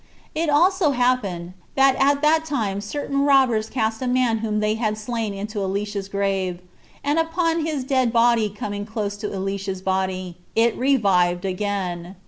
It also happened, that at that time certain robbers cast a man whom they had slain into Elisha's grave, and upon his dead body coming close to Elisha's body, it revived again.